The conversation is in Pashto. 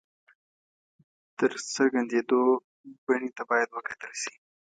د څرګندېدو بڼې ته باید وکتل شي.